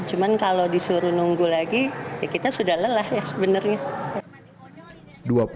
cuma kalau disuruh nunggu lagi ya kita sudah lelah ya sebenarnya